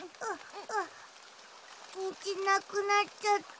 にじなくなっちゃった。